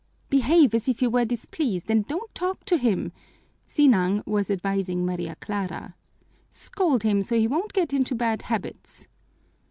"Behave as if you were displeased and don't talk to him," Sinang was advising Maria Clara. "Scold him so he won't get into bad habits."